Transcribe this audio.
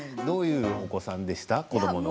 どんなお子さんでしたか？